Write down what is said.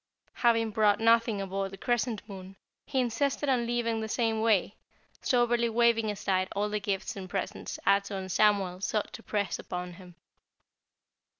Having brought nothing aboard the Crescent Moon, he insisted on leaving in the same way, soberly waving aside all the gifts and presents Ato and Samuel sought to press upon him.